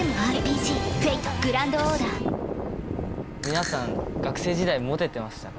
皆さん学生時代モテてました？